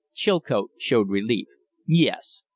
Chilcote showed relief. "Yes.